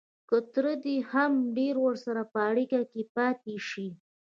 که تر دې هم ډېر ورسره په اړیکه کې پاتې شي